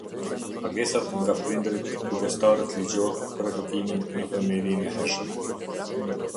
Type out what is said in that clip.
Pagesat nga prindëritikujdestarët ligjor për Edukimin në Fëmijërinë e Hershme.